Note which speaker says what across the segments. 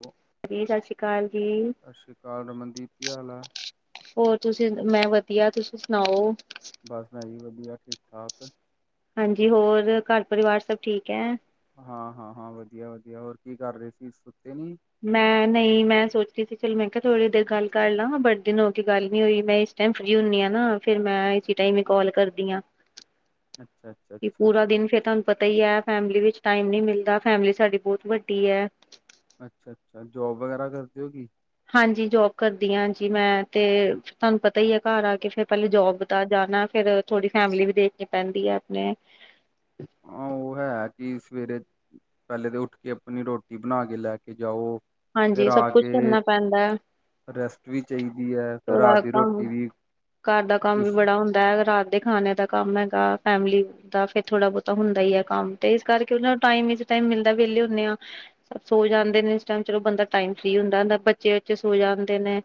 Speaker 1: ਹ [unintelligible]
Speaker 2: ਹਾਂਜੀ, ਸਤਿ ਸ਼੍ਰੀ ਅਕਾਲ ਜੀ।
Speaker 1: ਸਤਿ ਸ਼੍ਰੀ ਅਕਾਲ ਰਮਨਦੀਪ ਕੀ ਹਾਲ ਆ।
Speaker 2: ਹੋਰ ਤੁਸੀਂ, ਮੈਂ ਵਧੀਆ ਤੁਸੀਂ ਸੁਣਾਓ
Speaker 1: ਬਸ ਮੈਂ ਜੀ ਵਧੀਆ ਠੀਕ-ਠਾਕ
Speaker 2: ਹਾਂਜੀ, ਹੋਰ ਘਰ ਪਰਿਵਾਰ ਸਭ ਠੀਕ ਹੈ।
Speaker 1: ਹਾਂ-ਹਾਂ, ਹਾਂ ਵਧੀਆ- ਵਧੀਆ ਹੋਰ ਕੀ ਕਰ ਰਹੇ ਸੀ ਸੁੱਤੇ ਨੀ
Speaker 2: ਮੈਂ ਨਹੀਂ ਮੈਂ ਸੋਚਦੀ ਸੀ ਚਲੋ ਮੈਂ ਕਿਹਾ ਥੋੜੀ ਦੇਰ ਗੱਲ ਕਰ ਲਾ। ਬੜੇ ਦਿਨ ਹੋ ਕੇ ਗੱਲ ਨੀ ਹੋਈ ਮੈਂ ਇਸ ਫਰੀ ਹੁੰਦੀ ਆ ਨਾ ਫੇਿਰ ਮੈਂ ਟਾਈਮ ਕਾਲ ਕਰਦੀ ਹਾਂ,
Speaker 1: ਅੱਛਾ ਅੱਛਾ
Speaker 2: ਕਿ
Speaker 1: ਅੱਛਾ
Speaker 2: ਪੂਰਾ ਦਿਨ ਫੇਰ ਤੁਹਾਨੂੰ ਪਤਾ ਹੀ ਹੈ ਫੈਮਿਲੀ ਵਿੱਚ ਟਾਈਮ ਨੀ ਮਿਲਦਾ। ਫੈਮਿਲੀ ਸਾਡੀ ਬਹੁਤ ਵੱਡੀ ਹੈ।
Speaker 1: ਅੱਛਾ, ਅੱਛਾ ਜੋਬ ਵਗੈਰਾ ਕਰਦੇ ਹੋ ਕਿ
Speaker 2: ਹਾਂਜੀ, ਜੋਬ ਕਰਦੀ ਆਂ ਜੀ ਮੈਂ ਤੇ। ਤਾਨੂੰ ਪਤਾ ਈ ਐ ਘਰ ਆ ਕੇ ਫੇ਼ਰ ਪਹਿਲੇ ਜੋਬ ਦਾ ਜਾਣਾ ਫੇ਼ਰ ਥੋੜ੍ਹੀ ਫੈਮਿਲੀ ਵੀ ਦੇਖਣੀ ਪੈਂਦੀ ਐ ਆਪਣੇ
Speaker 1: ਹਾਂ ਹੋਰ ਐ ਕਿ ਸਵੇਰੇ ਪਹਿਲੇ ਤੇ ਉੱਠਕੇ ਆਪਣੀ ਰੋਟੀ ਬਣਾ ਕੇ ਲੈ ਕੇ ਜਾਓ। ਫਿਰ
Speaker 2: ਹਾਂਜੀ
Speaker 1: ਆ
Speaker 2: ਸੱਭ ਕੁਛ
Speaker 1: ਕੇ
Speaker 2: ਕਰਨਾ ਪੈਂਦੈ।
Speaker 1: ਰੈਸਟ ਵੀ ਚਾਹੀਦੀ ਐ, ਫੇਰ ਰਾਤ ਦੀ
Speaker 2: ਕੰਮ
Speaker 1: ਰੋਟੀ ਵੀ।
Speaker 2: ਘਰ ਦਾ ਕੰਮ ਵੀ
Speaker 1: ਉਸ-
Speaker 2: ਬੜਾ ਹੁੰਦੈ ਰਾਤ ਦੇ ਖਾਣੇ ਦਾ ਕੰਮ ਹੈਗਾ ਫੈਮਲੀ ਦਾ ਫੇ਼ਰ ਥੋੜਾ ਬਹੁਤਾ ਹੁੰਦਾ ਈ ਐ ਕੰਮ ਤੇ ਇਸ ਕਰਕੇ ਉਹ ਨੂੰ ਟਾਈਮ ਵਿੱਚ ਟਾਈਮ ਮਿਲਦਾ ਵਿਹਲੇ ਹੁੰਨੇ ਆ ਸ ਸੋ ਜਾਂਦੇ ਨੇ ਇਸ ਟੈਮ ਚਲੋ ਬੰਦਾ ਟਾਈਮ ਫ਼ਰੀ ਹੁੰਦਾ ਦਾ ਬੱਚੇ ਉੱਚੇ ਸੋ ਜਾਂਦੇ ਨੇ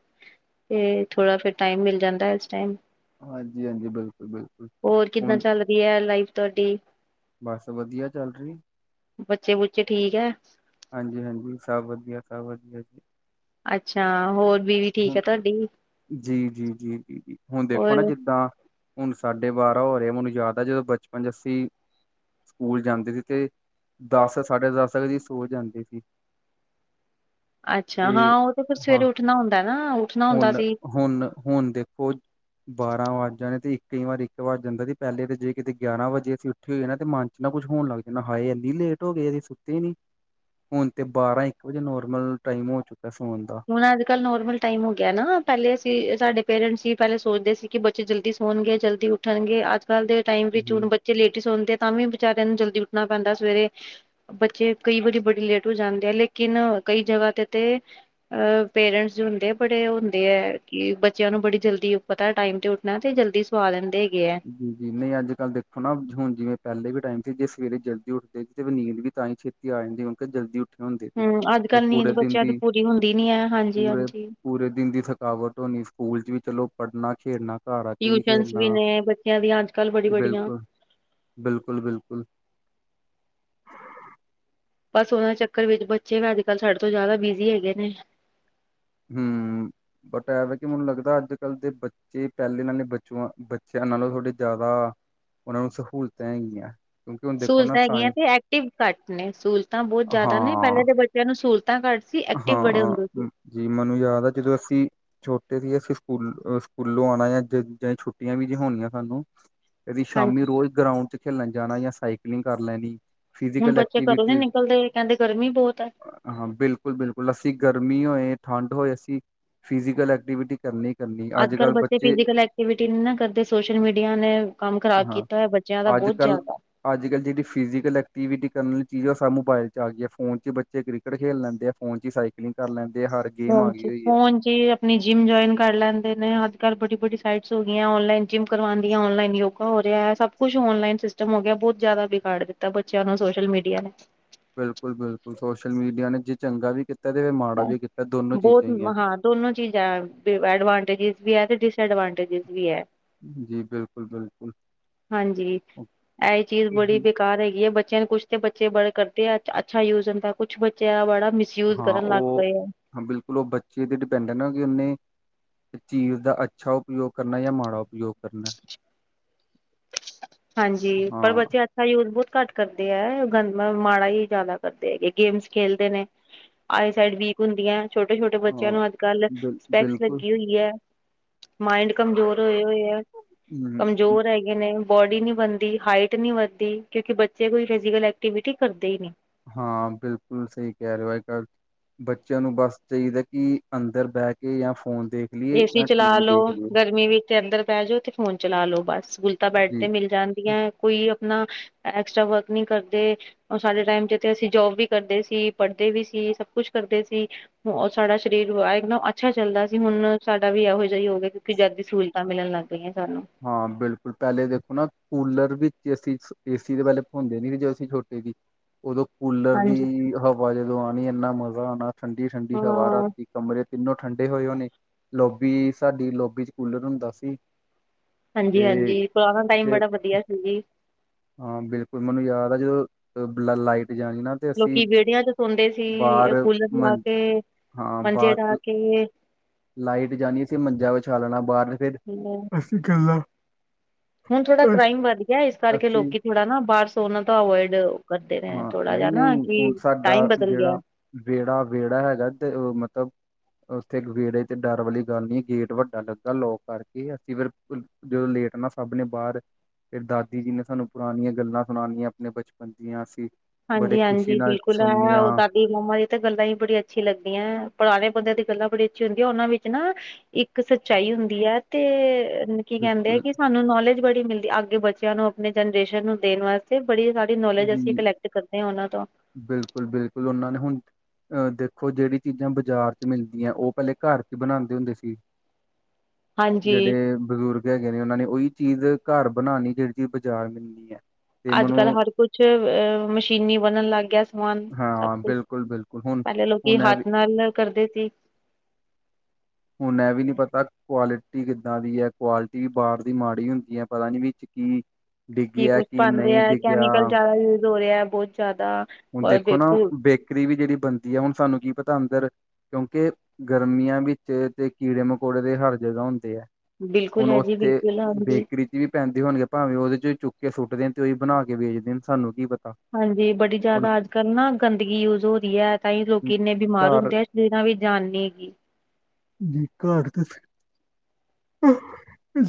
Speaker 2: ਤੇ ਥੋੜਾ ਫੇ਼ਰ ਟਾਈਮ ਮਿਲ ਜਾਂਦਾ, ਇਸ ਟਾਈਮ।
Speaker 1: ਹਾਂਜੀ-ਹਾਂਜੀ, ਬਿਲਕੁਲ-ਬਿਲਕੁਲ ਹੁਣ
Speaker 2: ਏ ਐ ਲਾਈਫ ਤੁਹਾਡੀ।
Speaker 1: ਬਸ ਵਧੀਆ ਚੱਲ ਰਹੀ।
Speaker 2: ਬੱਚੇ-ਬੁੱਚੇ ਠੀਕ ਐ?
Speaker 1: ਹਾਂਜੀ-ਹਾਂਜੀ, ਸਭ ਵਧੀਆ-ਸਭ ਵਧੀਆ ਜੀ।
Speaker 2: ਅੱਛਾ। ਹੋਰ ਬੀਵੀ ਠੀਕ
Speaker 1: ਹੂੰ,
Speaker 2: ਹੈ ਤੁਹਾਡੀ
Speaker 1: ਜੀ, ਜੀ, ਜੀ, ਜੀ, ਜੀ ਹੁਣ ਦੇਖੋ ਨਾ
Speaker 2: ਹੋਰ
Speaker 1: ਜਿੱਦਾਂ? ਹੁਣ ਸਾਡੇ ਬਾਰਾਂ ਹੋ ਰਹੇ, ਮੈਨੂੰ ਯਾਦ ਆ, ਜਦੋਂ ਬਚਪਨ 'ਚ ਅਸੀਂ ਸਕੂਲ ਜਾਂਦੇ ਸੀ, ਤੇ ਦਸ, ਸਾਢੇ ਦਸ ਅਸੀ ਸੋ ਜਾਂਦੇ ਸੀ।
Speaker 2: ਅੱਛਾ, ਹਾਂ ਓ ਤੇ ਫੇਰ
Speaker 1: ਹਾਂ
Speaker 2: ਸਵੇਰੇ ਉੱਠਣਾ ਹੁੰਦਾ ਨਾ, ਉੱਠਣਾ ਹੁੰਦਾ
Speaker 1: ਹੁਣ
Speaker 2: ਸੀ।
Speaker 1: ਹੁਣ ਹੁਣ ਦੇਖੋ ਬਾਰਾਂ ਵੱਜ ਜਾਣੇ ਤੇ ਕਈ ਵਾਰ ਇੱਕ ਵੱਜ ਜਾਂਦਾ ਸੀ, ਪੈਹਲੇ ਤੇ ਜੇ ਕਿਤੇ ਗਿਆਰਾਂ ਵਜੇ ਅਸੀ ਮੇਰੇ ਤੇ ਮਨ 'ਚ ਨਾ ਕੁਛ ਹੋਣ ਲਗ ਜਾਂਣਾ, ਹਾਏ ਏਨੀ ਲੇਟ ਹੋ ਗਏ, ਅਜੇ ਸੁੱਤੇ ਨੀ। ਹੁਣ ਤੇ ਬਾਰਾਂ-ਇੱਕ ਵਜੇ ਨੋਰਮਲ ਟਾਈਮ ਹੋ ਚੁੱਕਾ ਸੋਨ ਦਾ।
Speaker 2: ਹੁਣ, ਅੱਜ ਕੱਲ੍ਹ ਨੋਰਮਲ ਟਾਈਮ ਹੋ ਗਿਆ ਨਾ, ਪੈਹਲੇ ਅਸੀਂ ਸਾਡੇ ਪੇਰੈਂਟਸ ਹੀ ਪੈਹਲੇ ਸੋਚਦੇ ਸੀ, ਕਿ ਬੱਚੇ ਜਲਦੀ ਸੋਣਗੇ ਜਲਦੀ ਉਠ ਉੱਠਣਗੇ, ਅੱਜਕੱਲ੍ਹ ਦੇ ਟਾਈਮ ਵਿੱਚ ਹੁਣ ਬੱਚੇ ਲੇਟ ਈ ਸੌਂਦੇ, ਤਾਂ ਵੀ ਵਿਚਾਰਿਆਂ ਨੂੰ ਜਲਦੀ ਉੱਠਣਾ ਪੈਂਦਾ ਸਵੇਰੇ। ਬੱਚੇ ਕਈ ਵਾਰੀ ਬੜੀ ਲੇਟ ਹੋ ਜਾਂਦੇ ਆ, ਲੇਕਿਨ ਕਈ ਜਗ੍ਹਾ ਦੇ ਉਤੇ ਅਹ ਪੇਰੈਂਟਸ ਜੋ ਹੁੰਦੇ ਆ, ਬੜੇ ਓ ਹੁੰਦੇ ਐ, ਕਿ ਬੱਚੇਆਂ ਨੂੰ ਬੜੀ ਜਲਦੀ ਪਤਾ ਟਾਈਮ ' ਮੈਂ ਤੇ, ਜਲਦੀ ਸਵਾ ਲੈਂਦੇ ਹੈਗੇ ਐ।
Speaker 1: ਜੀ ਨਹੀਂ, ਅੱਜ-ਕੱਲ ਦੇਖੋ ਨਾ, ਹੁਣ ਜਿਵੇਂ ਪਹਿਲੇ ਵੀ ਟਾਈਮ ਸੀ, ਜੇ ਸਵੇਰੇ ਜਲਦੀ ਉੱਠਦੇ ਸੀ ਤੇ ਫੇ ਨੀਂਦ ਵੀ ਤਾਂ ਹੀ ਛੇਤੀ ਆ ਜਾਂਦੀ, ਕਿਉਂਕਿ ਜਲਦੀ ਉੱਠੇ ਹੁੰਦੀ ਸੀ,
Speaker 2: ਹਮ ਅੱਜ
Speaker 1: ਫ
Speaker 2: ਕੱਲ੍ਹ ਨੀਂਦ
Speaker 1: ਪੂਰੇ ਦਿਨ
Speaker 2: ਬੱਚਿਆਂ
Speaker 1: ਦੀ
Speaker 2: ਪੂਰੀ ਹੁੰਦੀ ਨੀ ਹੈ ਹਾਂਜੀ
Speaker 1: ਪੂਰੇ
Speaker 2: ਹਾਂਜੀ
Speaker 1: ਪੂਰੇ ਦਿਨ ਦੀ ਥਕਾਵਟ ਹੋਣੀ, ਸਕੂਲ 'ਚ ਵੀ ਚਲੋ ਪੜ੍ਹਨਾ ਖੇਲਣਾ।
Speaker 2: ਟਿਊਸ਼ਨਸ ਵੀ ਨੇ, ਬੱਚੇਆਂ ਦੀਆਂ ਅੱਜ-ਕੱਲ੍ਹ ਬੜੀ ਵੱਡੀਆਂ
Speaker 1: ਬਿਲਕੁਲ-ਬਿਲਕੁਲ।
Speaker 2: ਬਸ, ਓਨਾਂ ਚੱਕਰ ਵਿੱਚ ਬੱਚੇ ਨਾ, ਅੱਜ-ਕੱਲ੍ਹ ਸਾਡੇ ਤੋਂ ਜ਼ਿਆਦਾ ਬੀਜੀ ਹੈਗੇ ਨੇ।
Speaker 1: ਹੂੰ। ਬਟ ਐਂਵੇ ਕਿ ਮੈਨੂੰ ਲੱਗਦਾ, ਅੱਜ-ਕੱਲ੍ਹ ਦੇ ਬੱਚੇ ਪੈਹਲੇ ਨਾਲੇ ਬੱਚੂਆ ਬੱਚਿਆਂ ਨਾਲੋਂ ਥੋੜੇ ਜ਼ਿਆਦਾ ਓਨਾਂ ਨੂੰ ਸਭ ਸਹੂਲਤਾਂ ਹੈਗੀਆਂ। ਕਿਉਂਕਿ ਹੁਣ ਦੇਖੋ ਨਾ
Speaker 2: ਸਹੂਲਤਾਂ ਹੈਗੀਆਂ
Speaker 1: ਸਾਇੰ
Speaker 2: ਤੇ ਐਕਟਿਵ ਘੱਟ ਨੇ ਸਹੂਲਤਾਂ ਬੋਤ ਜ਼ਿਆਦਾ ਨੇ,
Speaker 1: ਹਾਂ
Speaker 2: ਪੈਹਲਾਂ ਦੇ ਬੱਚੇਆਂ ਨੂੰ ਸਹੂਲਤਾਂ ਘੱਟ ਸ ਸੀ। ਐਕਟਿਵ ਬੜੇ
Speaker 1: ਹਾਂ
Speaker 2: ਹੁੰਦੇ ਸੀ।
Speaker 1: ਮ- ਜੀ, ਮੈਨੂੰ ਯਾਦ ਆ। ਜਦੋਂ ਅਸੀਂ ਛੋਟੇ ਸੀ। ਅਸੀਂ ਸਕੂਲ ਸਕੂਲੋਂ ਆਂਣਾ ਜ ਛੁੱਟੀਆਂ ਵੀ ਨੀ ਹੋਣੀਆਂ ਸਾਨੂੰ। ਕਦੀ ਸ਼ਾਮੀ
Speaker 2: ਹਾਂਜੀ
Speaker 1: ਰੋਜ਼ ਗਰਾਉਂਡ 'ਚ ਖੇਲਣ ਜਾਣਾ, ਜਾਂ ਸਾਈਕਲਿੰਗ ਕਰ ਲੈਣੀ।
Speaker 2: ਹੁਣ
Speaker 1: ਫਿਜੀਕਲ
Speaker 2: ਬੱਚੇ ਘਰੋਂ ਨੀ
Speaker 1: ਐਕਟੀਵਿਟੀ,
Speaker 2: ਨਿਕਲਦੇ ਕਹਿੰਦੇ ਗਰਮੀ ਬਹੁਤ ਹੈ
Speaker 1: ਹਾਂ ਬਿਲਕੁਲ। ਬਿਲਕੁਲ-ਬਿਲਕੁਲ, ਅਸੀਂ ਗਰਮੀ ਹੋਏ, ਠੰਡ ਹੋਏ ਅਸੀਂ ਫਿਜ਼ੀਕਲ ਐਕਟੀਵਿਟੀ ਕਰਨੀ ਹੀ ਕਰਨੀ ਅੱਜ
Speaker 2: ਅੱਜ-ਕੱਲ੍ਹ
Speaker 1: ਕੱਲ੍ਹ
Speaker 2: ਬੱਚੇ ਫਿਜ਼ੀਕਲ ਐਕਟੀਵਿਟੀ ਨੀ ਨਾ, ਕਰਦੇ ਸੋਸ਼ਲ ਮੀਡੀਆ ਨੇ ਕੰਮ ਖ਼ਰਾਬ ਕੀਤਾ ਹੋਇਆ। ਬੱਚੇਆਂ ਦਾ ਬੋਤ ਜ਼ਿਆਦਾ।
Speaker 1: ਅੱਜ-ਕੱਲ੍ਹ ਜੇਹੜੀ ਫਿਜ਼ੀਕਲ ਐਕਟੀਵਿਟੀ ਕਰਨੀ ਚਾਹੀਦੀ ਆ, ਸਭ ਮੋਬਾਈਲ 'ਚ ਆ ਗਈ, ਫੋ਼ਨ 'ਚ ਬੱਚੇ ਕ੍ਰਿਕਟ ਖੇਡ ਲੈਂਦੇ ਆ। ਫ਼ੋਨ 'ਚਈ ਸਾਈਕਲਿੰਗ ਕਰ ਲੈਂਦੇ ਆ, ਹਰ ਗੇਮ ਆ ਗਈ
Speaker 2: ਹਾਂਜੀ,
Speaker 1: ਹੋਈ ਹੈ
Speaker 2: ਫ਼ੋਨ 'ਚ ਤੇ ਆਪਣੀ ਜਿੰਮ ਜੁਆਇਨ ਕਰ ਲੈਂਦੇ ਨੇ ਅੱਜ-ਕੱਲ੍ਹ ਬਡੀ-ਬਡੀ ਸਾਈਟਸ ਹੋ ਗਈਆਂ, ਔਨਲਾਈਨ ਜਿਮ ਕਰਵਾਂਦੀਆਂ, ਔਨਲਾਈਨ ਯੋਗ ਹੋ ਰਿਹਾ ਹੈ, ਸਭ ਕੁਛ ਔਨਲਾਈਨ ਸਿਸਟਮ ਹੋ ਗਿਆ, ਬੋਤ ਜ਼ਿਆਦਾ ਬਿਗਾੜ ਦਿੱਤਾ, ਬੱਚੇਆਂ ਨੂੰ ਸੋਸ਼ਲ ਮੀਡੀਆ ਨੇ।
Speaker 1: ਬਿਲਕੁਲ-ਬਿਲਕੁਲ, ਸੋਸ਼ਲ ਮੀਡੀਆ ਨੇ ਜੇ ਚੰਗਾ ਵੀ ਕੀਤਾ। ਤੇ ਮਾੜਾ ਵੀ ਕੀਤਾ। ਦੋਨੋ
Speaker 2: ਬੋਤ
Speaker 1: ਚੀਜ਼ਾਂ ਹੀ ਹੈ।
Speaker 2: ਹਾਂ, ਦੋਨੋ ਚੀਜ਼ ਹੈ। ਐਡਵਾਂਟੇਜਿਸ ਵੀ ਹੈ ਤੇ ਡਿਸਐਡਵਾਂਟੇਜਿਸ ਵੀ ਹੈ।
Speaker 1: ਜੀ, ਬਿਲਕੁਲ-ਬਿਲਕੁਲ।
Speaker 2: ਹਾਂਜੀ, ਏਹ ਚੀਜ਼ ਬੜੀ ਬੇਕਾਰ ਹੈਗੀ ਹੈ, ਬੱਚਿਆਂ ਨੂੰ ਕੁਛ। ਬੱਚੇ ਬੜੇ ਕਰਦੇ ਆ ਅੱਛਾ ਯੂਜ ਹੁੰਦਾ, ਕੁਛ ਬੱਚਿਆਂ ਦਾ ਬੜਾ ਮਿਸਯੂਜ
Speaker 1: ਹਾਂ
Speaker 2: ਕਰਨ ਲੱਗ
Speaker 1: ਉਹ,
Speaker 2: ਗਏ ਆ।
Speaker 1: ਬਿਲਕੁਲ ਉਹ ਬੱਚੇ ਤੇ ਡਿਪੈਂਡ ਹੈ ਨਾ, ਕਿ ਉਹਨੇ ਇਸ ਚੀਜ਼ ਦਾ ਅੱਛਾ ਉਪਯੋਗ ਕਰਨਾ, ਜਾਂ ਮਾੜਾ ਉਪਯੋਗ ਕਰਨਾ।
Speaker 2: ਹਾਂਜੀ,
Speaker 1: ਹਾਂ
Speaker 2: ਪਰ ਬੱਚੇ ਯੂਜ ਬਹੁਤ ਘੱਟ ਕਰਦੇ ਹੈ ਗੰਦ, ਮਾੜਾ ਹੀ ਜ਼ਿਆਦਾ ਕਰਦੇ ਹੈਗੇ ਗੇਮਸ ਖੇਲਦੇ ਨੇ। ਆਈ ਸਾਈਡ ਵੀਕ ਹੁੰਦੀ ਹੈ, ਛੋਟੇ ਛੋਟੇ ਬੱਚਿਆਂ
Speaker 1: ਹਾਂ
Speaker 2: ਨੂੰ ਅੱਜ ਕੱਲ,
Speaker 1: ਬਿਲ
Speaker 2: ਸਪੈਕਸ
Speaker 1: ਬਿਲਕੁਲ
Speaker 2: ਲੱਗੀ ਹੋਈ ਹੈ। ਮਾਇੰਡ ਕਮਜ਼ੋਰ ਹੋਏ ਹੋਏ ਆ,
Speaker 1: ਹੂੰ
Speaker 2: ਕਮਜ਼ੋਰ ਹੈਗੇ ਨੇ। ਬੋਡੀ ਨੀ ਬਣਦੀ, ਹਾਈਟ ਨਹੀਂੀ ਵੱਧਦੀ, ਕਿਉਂਕਿ ਬੱਚੇ ਕੋਈ ਫਿਜ਼ਕਲ ਐਕਟੀਵਿਟੀ ਕਰਦੇ ਹੀ ਨਹੀਂ।
Speaker 1: ਹਾਂ ਬਿਲਕੁਲ ਸਹੀ ਕਹਿ ਰਹੇ ਹੋ, ਅੱਜ ਕੱਲ ਬੱਚਿਆਂ ਨੂੰ ਬਸ ਚਾਹੀਦਾ ਕਿ ਅੰਦਰ ਬਹਿ ਕੇ, ਜਾਂ ਫੋਨ ਦੇ
Speaker 2: ਏਸੀ ਚਲਾ ਲੋੋ, ਗਰਮੀ ਵਿੱਚ ਤੇ ਅੰਦਰ ਬਹਿ ਜਾਓ ਤੇ ਫੋਨ ਚਲਾ ਲੋੋ ਬਸ, ਗੁਲਤਾ ਬੈਡ ਤੇ
Speaker 1: ਜੀ
Speaker 2: ਮਿਲ ਜਾਂਦੀਆਂ। ਕੋਈ ਆਪਣਾ, ਐਕਸਟਰਾ ਵਰਕ ਨਹੀਂੀ ਕਰਦੇ। ਰ ਸਾਡੇ ਟਾਈਮ 'ਚ ਥ ਅਸੀਂ ਜੋਬ ਵੀ ਕਰਦੇ ਸੀ, ਪੜ੍ਹਦੇ ਵੀ ਸੀ, ਸਭ ਕੁਛ ਕਰਦੇ ਸੀ। ਉਹ ਸਾਡਾ ਸਰੀਰ ਇੱਕਦਮ ਅੱਛਾ ਚੱਲਦਾ ਸੀ, ਹੁਣ ਸਾਡਾ ਵੀ ਇਹੋ ਜਿਹੀ ਹੋਗ ਗਿਆ, ਕਿਉਂਕਿ ਜਦਦੀ ਸਹੂਲਤਾਂ ਮਿਲਣ ਲੱਗ ਗਈਆਂ ਸਾਨੂੰ।
Speaker 1: ਹਾਂ ਬਿਲਕੁਲ, ਪਹਿਲੇ ਦੇਖੋ ਨਾ ਕੂਲਰ ਵਿੱਚ ਦੇਸੀ, ਦੇਸੀ ਡਵੈਲਪ ਹੁੰਦੇ ਸੀ, ਜੇ ਅਸੀਂ ਛੋਟੇ ਸੀ। ਉਦੋਂ ਕੂਲਰ
Speaker 2: ਹਾਂਜੀ
Speaker 1: ਦੀ ਹਵਾ ਜਦੋਂ ਆਉਣੀ ਇੰਨਾ ਮਜ਼ਾ ਆਉਣਾ, ਠੰਡੀ- ਠੰਡੀ
Speaker 2: ਹਾਂ
Speaker 1: ਹਵਾ ਰਾਤੀ। ਕਮਰੇ ਤਿੰਨੋ ਠੰਡੇ ਹੋਏ ਹੋ ਨੇ, ਲੋਬੀ ਸਾਡੀ ਲੋਬੀ 'ਚ ਕੂਲਰ ਹੁੰਦਾ ਸੀ।
Speaker 2: ਹਾਂਜੀ
Speaker 1: ਤੇ
Speaker 2: ਹਾਂਜੀ, ਪੁਰਾਣਾ ਟਾਈਮ
Speaker 1: ਫਿਰ
Speaker 2: ਬੜਾ ਵਧੀਆ ਸੀ ਜੀ।
Speaker 1: ਹਾਂ ਬਿਲਕੁਲ, ਮੈਨੂੰ ਯਾਦ ਆ ਜਦੋਂ ਲਾਈਟ ਜਾਣੀ ਨਾ ਤੇ ਅਸੀਂ
Speaker 2: ਲੋਕੀ ਵਿੇਹੜਿਆਂ 'ਚ ਸੋਂਦੇ ਸੀ,
Speaker 1: ਬਾਹਰ
Speaker 2: ਕੂਲਰ ਲਾ
Speaker 1: ਮੰ
Speaker 2: ਕੇ,
Speaker 1: ਹਾਂ
Speaker 2: ਮੰਜੇ ਲਾ
Speaker 1: ਬਾਹਰ
Speaker 2: ਕੇ
Speaker 1: ਲਾਈਟ ਜਾਣੀ, ਅਸੀਂ ਮੰਜਾਂ ਵਿਛਾ ਲੈਣਾ ਬਾਹਰ ਫਿਰ
Speaker 2: ਹੁਣ ਥੋੜਾ ਕ੍ਰਾਈਮ ਵੱਧ ਗਿਆ, ਇਸ ਕਰਕੇ
Speaker 1: ਅਸੀਂ
Speaker 2: ਲੋਕੀ ਥੋੜਾ ਨਾ ਬਾਹਰ ਸੋਨਾ ਤਾਂ ਅਵੋਇਡ ਕਰਦੇ ਰਹੇ
Speaker 1: ਹਾਂ
Speaker 2: ਥੋੜਾ
Speaker 1: ਨਹੀਂ
Speaker 2: ਜਾ ਨਾ,
Speaker 1: ਨਹੀਂ ਹੁਣ
Speaker 2: ਕਿ
Speaker 1: ਸਾਡਾ
Speaker 2: ਟਾਈਮ ਬਦਲ ਗਿਆ।
Speaker 1: ਜਿਹੜਾ ਵਿਹੜਾ, ਵਿਹੜਾ ਹੈਗਾ ਤੇ ਉਹ ਮਤਲਬ, ਉੱਥੇ ਵਿਹੜੇ ਤੇ ਡਰ ਵਾਲੀ ਗੱਲ ਨ ਗੇਟ ਵੱਡਾ ਲੱਗਾ, ਲੋਕ ਕਰਕੇ ਅਸੀਂ ਫਿਰ ਜਦੋਂ ਲੇਟ ਨਾ, ਸਭ ਨੇ ਬਾਹਰ ਫੇਰ ਦਾਦੀ ਜੀ ਨੇ ਸਾਨੂੰ ਪੁਰਾਣੀਆਂ ਗੱਲਾਂ ਸੁਣਾਾਨੀਆਂ, ਆਪਣੇ ਬਚਪਨ ਦੀਆਂ ਅਸੀਂ ਬੜੇ
Speaker 2: ਹਾਂਜੀ
Speaker 1: ਖੁਸ਼ੀ
Speaker 2: ਹਾਂਜੀ,
Speaker 1: ਨਾਲ
Speaker 2: ਬਿਲਕੁਲ ਹੈ
Speaker 1: ਸੁਣਨੀਆਂ
Speaker 2: ਉਹ ਦਾ ਦੀ, ਮੰਮਾ ਦੀ, ਤਾਂ ਗੱਲਾਂ ਹੀ ਬੜੀ ਅੱਛੀ ਲੱਗਦੀਆਂ। ਪੁਰਾਣੇ ਬੰਦਿਆਂ ਦੀ ਗੱਲਾਂ ਬੜੀ ਅੱਛੀ ਹੁੰਦੀਆਂ, ਉਹਨਾਂ ਵਿੱਚ ਨਾ ਇੱਕ ਸੱਚਾਈ ਹੁੰਦੀ ਹੈ, ਤੇ ਕੀ ਕਹਿੰਦੇ ਆ
Speaker 1: ਬਿਲਕੁਲ
Speaker 2: ਕਿ ਸਾਨੂੰ ਨੌਲੇਜ ਬੜੀ ਮਿਲਦੀ, ਅੱਗੇ ਬੱਚਿਆਂ ਨੂੰ ਆਪਣੇ ਜਨਰੇਸ਼ਨ ਨੂੰ ਦੇਣ ਵਾਸਤੇ, ਬੜੀ ਸਾਰੀ ਨੌਲੇਜ ਅਸੀਂ
Speaker 1: ਜੀ,
Speaker 2: ਕਲੈਕਟ ਕਰਦੇ ਆ, ਉਹਨਾਂ ਤੋਂ।
Speaker 1: ਬਿਲਕੁਲ ਬਿਲਕੁਲ, ਉਹਨਾਂ ਨੇ ਹੁਣ 'ਅ ਦੇਖੋ ਜਿਹੜੀ ਚੀਜ਼ਾਂ ਬਾਜ਼ਾਰ 'ਚ ਮਿਲਦੀਆਂ, ਉਹ ਪਹਿਲੇ ਘਰ 'ਚ ਬਣਾਉਂਦੇ ਹੁੰਦੇ ਸੀ।
Speaker 2: ਹਾਂਜੀ
Speaker 1: ਜਿਹੜੇ ਬਜ਼ੁਰਗ ਹੈਗੇ ਨੇ, ਉਹਨਾਂ ਨੇ ਉਹੀ ਚੀਜ਼ ਘਰ ਬਣਾਉਣੀ, ਜਿਹੜੀ ਚੀਜ ਬਾਜ਼ਾਰ ਮਿਲਣੀ ਹੈ। ਤੇ
Speaker 2: ਅੱਜ
Speaker 1: ਮੈਨੂੰ
Speaker 2: ਕੱਲ੍ਹ ਹਰ ਕੁਛ, ਅ ਮਸ਼ੀਨੀ ਬਣਨ ਲੱਗ ਗਿਆ ਸਭ
Speaker 1: ਹਾਂ
Speaker 2: ਕੁਛ,
Speaker 1: ਬਿਲਕੁਲ ਬਿਲਕੁਲ ਹੁਣ
Speaker 2: ਪਹਿਲ ਲੇ ਲੋਕੀ
Speaker 1: ਹੁਣ ਇਹ ਵੀ
Speaker 2: ਹੱਥ ਨਾਲ ਕਰਦੇ ਸੀ।
Speaker 1: ਹੁਣ ਇਹ ਵੀ ਨੀ ਪਤਾ, ਕੁਆਲਿਟੀ ਕਿੱਦਾਂ ਦੀ ਹੈ। ਕੁਆਲਿਟੀ ਵੀ ਬਾਹਰ ਦੀ ਮਾੜੀ ਹੁੰਦੀ ਹੈ, ਪਤਾ ਨੀ ਵੀ ਕੀ
Speaker 2: ਕੀ
Speaker 1: ਡਿੱਗਿਆ
Speaker 2: ਕੁਛ ਬਨ
Speaker 1: ਨਹੀਂ
Speaker 2: ਰਿਹਾ,
Speaker 1: ਡਿੱਗਿਆ
Speaker 2: ਕੈਮੀਕਲ ਜਿਆਦਾ ਯੂਜ ਹੋ ਰਿਹਾ ਬਹੁਤ ਜ਼ਿਆਦਾ
Speaker 1: ਹੁਣ ਦੇਖੋ ਨਾ,
Speaker 2: ਬਿਲਕੁਲ
Speaker 1: ਬੇਕਰੀ ਵੀ ਜਿਹੜੀ ਬਣਦੀ ਆ, ਹੁਣ ਸਾਨੂੰ ਕੀ ਪਤਾ ਅੰਦਰ ਕਿਉਂਕਿ ਗਰਮੀਆਂ ਵਿੱਚ ਤੇ, ਕੀੜੇ ਮਕੌੜੇ ਦੇ ਹਰ ਜਗ੍ਹਾ ਹੁੰਦੇ ਆ
Speaker 2: ਬਿਲਕੁਲ
Speaker 1: ਹੁਣ
Speaker 2: ਹੈ ਜੀ
Speaker 1: ਉੱਥੇ,
Speaker 2: ਬਿਲਕੁਲ ਹਾਂਜੀ
Speaker 1: ਬੇਕਰੀ ਵੀ ਪੈਂਦੇ ਹੋਣਗੇ ਭਾਵੇਂ ਉਹਦੇ ਚ ਚੁੱਕ ਕੇ ਸੁੱਟਦੇ ਨੇ ਤੇ ਉਹੀ ਬਣਾ ਕੇ ਵੇਚਦੇ ਨੇ ਸਾਨੂੰ ਕੀ ਪਤਾ।
Speaker 2: ਹਾਂਜੀ ਬੜੀ
Speaker 1: ਹੁਣ
Speaker 2: ਜ਼ਿਆਦਾ ਅੱਜ ਕੱਲ੍ਹ ਨਾ ਗੰਦਗੀ ਯੂਜ ਹੋ ਰਹੀ ਐ ਤਾਂ ਹੀ ਲੋਕੀ ਇੰਨੇ ਬਿਮਾਰ
Speaker 1: ਘਰ
Speaker 2: ਹੁੰਦੇ ਆ ਸਰੀਰਾਂ ਵਿੱਚ ਜਾਨ ਨੀ ਹੈਗੀ।
Speaker 1: ਘਰ ਤੇ ਫਿਰ [unintelligible]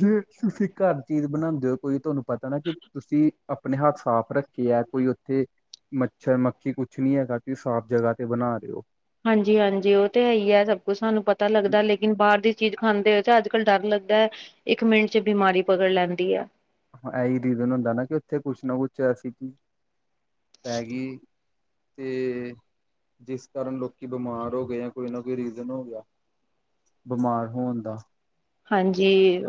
Speaker 1: ਜੇ ਤੁਸੀਂ ਘਰ ਚੀਜ਼ ਬਣਾਂਦੇ ਓ ਕੋਈ ਤੁਹਾਨੂੰ ਪਤਾ ਨਾ ਕਿ ਤੁਸੀਂ ਆਪਣੇ ਹੱਥ ਸਾਫ਼ ਰੱਖੇ ਆ ਕੋਈ ਓਥੇ, ਮੱਛਰ ਮੱਖੀ ਕੁੱਛ ਨੀ ਹੈਗਾ ਤੁਸੀਂ ਸਾਫ਼ ਜਗ੍ਹਾ ਤੇ ਬਣਾ ਰੇ ਓ।
Speaker 2: ਹਾਂਜੀ ਹਾਂਜੀ, ਓ ਤਾਂ ਹੈਈ ਐ ਸਭ ਕੁੱਛ ਸਾਨੂੰ ਪਤਾ ਲੱਗਦਾ ਲੇਕਿਨ ਬਾਹਰ ਦੀ ਚੀਜ਼ ਖਾਂਦੇ ਓ ਤਾਂ ਅੱਜ ਕੱਲ ਡੱਰ ਲੱਗਦਾ। ਇੱਕ ਮਿੰਟ ਚ ਬਿਮਾਰੀ ਪਕੜ ਲੈਂਦੀ ਐ।
Speaker 1: ਇਹੀ ਰੀਜ਼ਨ ਹੁੰਦਾ ਨਾ ਕਿ ਉੱਥੇ ਕੁੱਛ ਨਾ ਕੁੱਛ ਅਸੀਂ ਕੀ ਪੈਗੀ ਤੇ ਜਿਸ ਕਾਰਨ ਲੋਕੀ ਬਿਮਾਰ ਹੋ ਗਏ ਆ ਕੋਈ ਨਾ ਕੋਈ ਰੀਜ਼ਨ ਹੋ ਗਿਆ। ਬਮਾਰ ਹੋਣ ਦਾ।
Speaker 2: [inaudible] ਹਾਂਜੀ,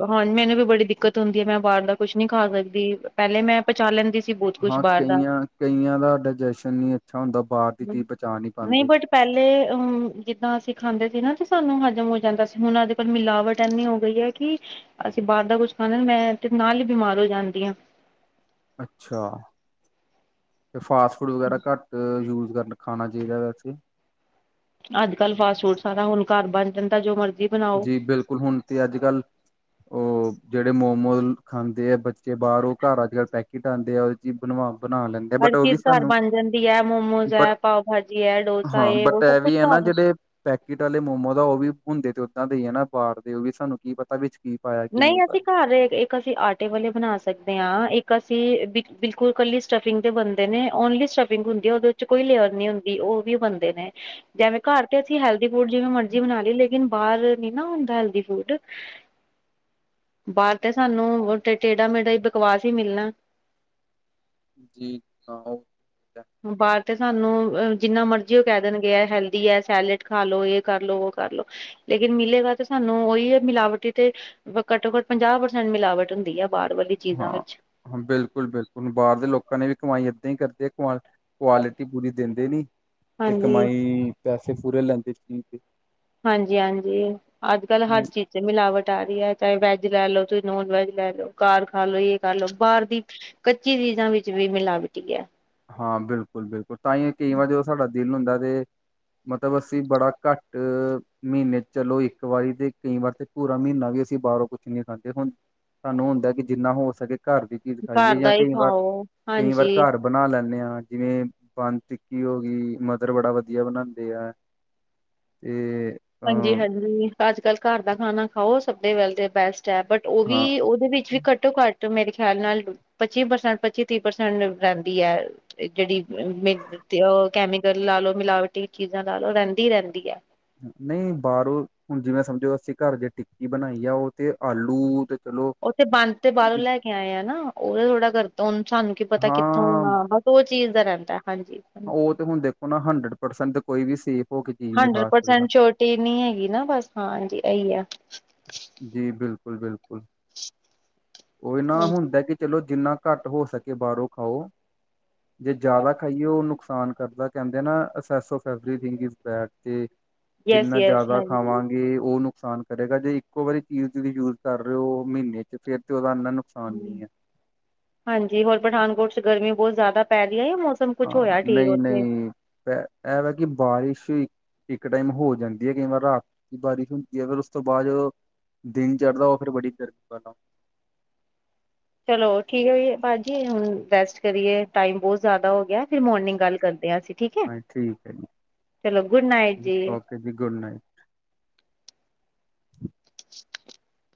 Speaker 2: ਹਾਂ ਮੈਨੂੰ ਵੀ ਬੜੀ ਦਿੱਕਤ ਹੁੰਦੀ ਐ ਮੈਂ ਬਾਹਰ ਦਾ ਕੁੱਛ ਨੀ ਖਾ ਸਕਦੀ ਪਹਿਲੇ ਮੈਂ ਪਚਾ ਲੈਂਦੀ ਸੀ ਬੋ ਕੁੱਛ
Speaker 1: ਹਾਂ
Speaker 2: ਬਾਹਰ ਦਾ।
Speaker 1: ਕਈਆਂ ਕਈਆਂ ਦਾ ਡਾਇਜੈਸ਼ਨ ਨੀ ਅੱਛਾ ਹੁੰਦਾ ਬਾਹਰ ਦੀ ਚੀਜ਼ ਪਚਾ ਨੀ
Speaker 2: ਨਹੀਂ
Speaker 1: ਪਾਂਦੇ।
Speaker 2: ਬਟ ਪਹਿਲੇ ਅਮ ਜਿੱਦਾਂ ਅਸੀਂ ਖਾਂਦੇ ਸੀ ਨਾ ਤੇ ਸਾਨੂੰ ਹਜ਼ਮ ਹੋ ਜਾਂਦਾ ਸੀ ਹੁਣ ਅੱਜਕਲ ਮਿਲਾਵਟ ਐਨੀ ਹੋ ਗਈ ਐ ਕਿ ਅਸੀਂ ਬਾਹਰ ਦਾ ਕੁੱਝ ਖਾਦੇ ਮੈਂ ਤੇ ਨਾਲ ਈ ਬਿਮਾਰ ਹੋ ਜਾਂਦੀ ਆ।
Speaker 1: ਅੱਛਾ, ਤੇ ਫਾਸਟ ਫੂਡ ਵਗੈਰਾ ਘੱਟ ਯੂਜ਼ ਕਰਨ। ਖਾਣਾ ਚਾਹੀਦਾ ਵੈਸੇ।
Speaker 2: ਅੱਜ ਕੱਲ੍ਹ ਫਾਸਟ ਫੂਡ ਸਾਰਾ ਹੁਣ ਘਰ ਬਣ ਜਾਂਦਾ ਜੋ ਮਰਜ਼ੀ ਬਣਾਓ
Speaker 1: ਜੀ ਬਿਲਕੁੱਲ ਹੁਣ ਤੇ ਅੱਜ ਕੱਲ੍ਹ ਓ ਜਿਹੜੇ ਮੋਮੋਜ਼ ਖਾਂਦੇ ਆ ਬੱਚੇ ਬਾਹਰੋਂ ਘਰ ਅੱਜ ਕੱਲ ਪੈਕਿਟ ਆਂਦੇ ਆ। ਜੀ ਬਣਵਾ ਬਣਾ ਲੈਂਦੇ। ਆ
Speaker 2: ਹਰ
Speaker 1: ਬਟ ਉਹ ਵੀ
Speaker 2: ਚੀਜ਼ ਘਰ
Speaker 1: ਸਾਨੂੰ
Speaker 2: ਬਣ ਜਾਂਦੀ ਐ ਮੋਮੋਸ ਐ
Speaker 1: ਬਟ
Speaker 2: ਪਾਓ ਭਾਜੀ ਐ ਡੋਸਾ
Speaker 1: ਹਾਂ
Speaker 2: ਐ ਓ
Speaker 1: ਬਟ ਇਹ
Speaker 2: ਸਭ ਕੁੱਛ
Speaker 1: ਵੀ ਹੈ
Speaker 2: ਤਾਂ
Speaker 1: ਨਾ ਜਿਹੜੇ ਪੈਕਟ ਆਲੇ ਮੋਮੋਸ ਦਾ ਓ ਵੀ ਹੁੰਦੇ ਤੇ ਓਦਾਂ ਦੇ ਈ ਆ ਨਾ ਬਾਹਰ ਦੇ ਉਹ ਵੀ ਸਾਨੂੰ ਕੀ ਪਤਾ ਪਤਾ ਵਿੱਚ ਕੀ ਪਾਇਆ ਕੀ ਨੀ ਪਾਇਆ।
Speaker 2: [unintelligible] ਇੱਕ ਅਸੀਂ ਆਟੇ ਵਾਲੇ ਬਣਾ ਸਕਦੇ ਆ ਇੱਕ ਅਸੀਂ ਬਿਲ ਬਿਲਕੁੱਲ ਇਕੱਲੀ ਸਟਫਿੰਗ ਦੇ ਬਣਦੇ ਨੇ ਓਨਲੀ ਸਟ ਫਿੰਗ ਹੁੰਦੀ ਉਹਦੇ ਚ ਕੋਈ ਲੇਅਰ ਨੀ ਹੁੰਦੀ ਓ ਵੀ ਬਣਦੇ ਨੇ ਜਿਵੇਂ ਘਰ ਤੇ ਅਸੀਂ ਹੈਲਦੀ ਫੂਡ ਜਿਵੇਂ ਮਰਜ਼ੀ ਬਣਾ ਲਈ ਲੇਕਿਨ ਬਾਹਰ ਨੀ ਨਾ ਹੁੰਦਾ ਹੈਲਦੀ ਫੂਡ। ਬਾਹਰ ਤੇ ਸਾਨੂੰ ਟੇਢਾ ਮੇਢਾ ਈ ਬਕਵਾਸ ਈ ਮਿਲਣਾ।
Speaker 1: ਜੀ ਹਾਂ ਓ
Speaker 2: ਬਾਹਰ ਤੇ ਸਾਨੂੰ ਜਿੰਨਾ ਮਰਜ਼ੀ ਓ ਕਹਿ ਦੇਣਗੇ ਹੈਲਦੀ ਐ ਸੈਲਡ ਖਾ ਲੋ ਏ ਕਰਲੋ ਓ ਕਰ ਲੋ। ਲੇਕਿਨ ਮਿਲੇਗਾ ਤੇ ਸਾਨੂੰ ਉਹੀ ਐ ਮਿਲਾਵਟੀ ਤੇ ਘੱਟੋ ਘੱਟ ਪੰਜਾਹ ਪ੍ਰਸੈਂਟ ਮਿਲਾਵਟ ਹੁੰਦੀ ਐ। ਬਾਹਰ ਵਾਲੀ ਚੀਜ਼ਾਂ
Speaker 1: ਹਾਂ
Speaker 2: ਵਿੱਚ।
Speaker 1: ਹਾਂ, ਬਿਲਕੁਲ ਬਿਲਕੁਲ ਬਾਹਰ ਦੇ ਲੋਕਾਂ ਨੇ ਵੀ ਕਮਾਈ ਏਦਾਂ ਈ ਕਰਦੀ ਐ ਕੁ ਕੁਆਲਿਟੀ ਪੂਰੀ ਦਿੰਦੇ ਨੀ ਤੇ
Speaker 2: ਹਾਂਜੀ
Speaker 1: ਕਮਾਈ ਪੈਸੇ ਪੂਰੇ ਲੈਂਦੇ ਸੀ।
Speaker 2: ਹਾਂਜੀ ਹਾਂਜੀ, ਅੱਜ ਕੱਲ ਹਰ ਚੀਜ਼ ਤੇ ਮਿਲਾਵਟ ਆ ਰੀ ਐ ਚਾਹੇ ਵੈੱਜ ਲੈਲੋ ਚਾਹੇ ਨੋਨ ਵੈੱਜ ਲੈਲੋ ਘਰ ਖਾ ਲੋ ਇਹ ਕਰਲੋ ਬਾਹਰ ਦੀ ਕੱਚੀ ਚੀਜ਼ਾਂ ਵਿੱਚ ਵੀ ਮਿਲਾਵਟੀ ਐ।
Speaker 1: ਹਾਂ, ਬਿਲਕੁਲ ਬਿਲਕੁਲ ਤਾਂਹੀ ਕਈ ਵਾਰ ਜਦੋਂ ਸਾਡਾ ਦਿਲ ਹੁੰਦਾ ਤੇ ਮਤਲਬ ਅਸੀਂ ਬੜਾ ਘੱਟ ਮਹੀਨੇ ਚਲੋ ਇੱਕ ਸਫਾਈ ਦੇਖ ਕੇ ਕਈ ਵਾਰ ਤੇ ਪੂਰਾ ਮਹੀਨਾ ਵੀ ਅਸੀਂ ਬਾਹਰੋਂ ਕੁੱਛ ਨਹੀਂ ਖਾਂਦੇ ਹੁਣ। ਸਾਨੂੰ ਹੁੰਦਾ ਕਿ ਜਿੰਨਾ ਹੋ ਸਕੇ ਘਰ ਦੀ ਚੀਜ਼ ਖਾਈਏ
Speaker 2: ਘਰ
Speaker 1: ਯਾ
Speaker 2: ਦਾ ਹੀ
Speaker 1: ਕਈ ਵਾਰ
Speaker 2: ਖਾਓ
Speaker 1: ਕਈ ਵਾਰ
Speaker 2: ਹਾਂਜੀ
Speaker 1: ਘਰ ਬਨਾ ਲੈਂਨੇ ਆ ਜਿਵੇਂ ਬਨ ਟਿੱਕੀ ਹੋ ਗਈ ਮਦਰ ਬੜਾ ਵਧੀਆ ਬਣਾਦੀ ਆ। ਤੇ ਅ
Speaker 2: ਹਾਂਜੀ ਹਾਂਜੀ ਅੱਜ ਕੱਲ ਘਰ ਦਾ ਖਾਨਾ ਖਾਓ ਸਭ ਦੇ ਵੇਲਥ ਤੇ ਬੈਸਟ ਹੈ ਬਟ ਉਹ ਵੀ
Speaker 1: ਹਾਂ
Speaker 2: ਉਹਦੇ ਵਿੱਚ ਵੀ [unintelligible] ਘੱਟੋ ਘੱਟ ਮੇਰੇ ਖਿਆਲ ਨਾਲ ਪੱਚੀ ਪ੍ਰਸੈਂਟ ਪੱਚੀ ਤੀਹ ਪ੍ਰਸੈਂਟ ਰਹਿੰਦੀ ਹੈ। ਤੇ ਜਿਹੜੀ ਮ ਤੇ ਉਹ ਕੈਮੀਕਲ ਲਾ ਲੋੋ ਮਿਲਾਵਟੀ ਚੀਜ਼ਾਂ ਲਾ ਲੋ ਰਹਿੰਦੀ ਰਹਿੰਦੀ ਹੈ।
Speaker 1: ਨਹੀਂ ਬਾਹਰੋਂ ਹੁਣ ਜਿਵੇਂ ਸਮਝੋ ਅਸੀਂ ਘਰ ਜੇ ਟਿੱਕੀ ਬਨਾਈ ਆ ਉਹ ਤੇ ਆਲੂ ਤੇ ਚਲੋ
Speaker 2: ਉੱਹ ਤੇ ਬੰਦ ਤੇ ਬਾਹਰੋਂ ਲੈ ਕੇ ਆਏ ਆ ਨਾ ਉਹਦਾ ਥੋੜਾ ਕਰ ਹੁਨ ਸਾਨੂੰ ਕੀ ਪਤਾ ਕਿੱਥੋਂ
Speaker 1: ਹਾਂ
Speaker 2: ਹਾ ਬਸ ਉਹ ਚੀਜ਼ ਦਾ ਰਹਿੰਦਾ ਹਾਂਜੀ
Speaker 1: ਉਹ ਤੇ ਹੁਨ ਦੇਖੋ ਨਾ ਹੰਡਰਡ ਪਰਸੈਂਟ ਤੇ ਕੋਈ ਵੀ ਸੇਫ ਹੋ ਕੇ ਚੀਜ਼ ਨਹੀਂ
Speaker 2: ਹੰਡਰਡ
Speaker 1: ਖਾ ਸਕਦਾ
Speaker 2: ਪਰਸੈਂਟ ਸੋ਼ਰਟੀ ਨਹੀਂ ਹੈਗੀ ਨਾ ਬਸ ਹਾਂਜੀ ਇਹੀ ਆ।
Speaker 1: ਜੀ ਬਿਲਕੁਲ ਬਿਲਕੁਲ ਉਹੀ ਨਾ ਹੁੰਦਾ ਕਿ ਚਲੋ ਜਿੰਨਾ ਘੱਟ ਹੋ ਸਕੇ ਬਾਹਰੋਂ ਖਾਓ ਜੇ ਜ਼ਿਆਦਾ ਖਾਈਏ ਉਹ ਨੁਕਸਾਨ ਕਰਦਾ। ਕਹਿੰਦੇ ਅਵ ਬੈ ਤੇ
Speaker 2: ਯਸ
Speaker 1: ਜਿੰਨਾ
Speaker 2: ਯਸ
Speaker 1: ਜ਼ਿਆਦਾ
Speaker 2: ਹਾਂਜੀ
Speaker 1: ਖਾਵਾਂਗੇ [unintelligible] ਤੇ ਉਹ ਨੁਕਸਾਨ ਕਰੇਗਾ ਜੇ ਇੱਕੋ ਵਾਰੀ ਚੀਜ਼ ਤੁਸੀਂ ਯੂਜ ਕਰ ਰਹੇ ਹੋ ਮਹੀਨੇ ਚ ਫੇਰ ਤੇ ਉਹਦਾ ਇਨਾਂ ਨੂ
Speaker 2: ਹਾਂਜੀ ਹੋਰ ਪਠਾਨਕੋਟ ਚ ਗਰਮੀ ਬਹੁਤ ਜ਼ਿਆਦਾ ਪੈ ਰਹੀ ਹੈ ਯਾ ਮੌਸ
Speaker 1: ਹਾਂ ਨਹੀਂ ਨਹੀਂ ਇਹ ਵੈ ਕਿ ਬਾਰਿਸ਼ ਇੱਕ ਟਾਈਮ ਹੋ ਜਾਂਦੀ ਹੈ ਕਈ ਵਾਰ ਰਾਤ ਦੀ ਬਾਰਿਸ਼ ਹੁੰਦੀ ਹੈ ਫੇਰ ਉਸ ਤੋਂ ਬਾਅਦ ਜਦੋਂ ਦਿਨ ਚੜ੍ਹਦਾ ਉਹ ਫੇਰ ਬੜੀ ਗਰਮੀ ਵਾਲਾ ਹੁੰਦਾ।
Speaker 2: ਚਲੋ ਠੀਕ ਹੈ ਵੀ ਭਾਅ ਜੀ ਹੁਨ ਰੈਸਟ ਕਰੀਏ ਟਾਈਮ ਬਹੁਤ ਜ਼ਿਆਦਾ ਹੋ ਗਿਆ। ਫਿਰ ਮੋਰਨਿੰਗ ਗੱਲ
Speaker 1: ਹਾਂ
Speaker 2: ਕਰਦੇ ਹਾਂ ਅਸੀਂ ਠੀਕ ਹੈ
Speaker 1: ਠੀਕ ਹੈ ਜੀ
Speaker 2: ਚਲੋ ਗੁਡ ਨਾਈਟ
Speaker 1: ਠੀਕ
Speaker 2: ਜੀ।
Speaker 1: ਜੀ ਗੁਡ ਨਾਈਟ।
Speaker 2: [unintelligible] [unintelligible]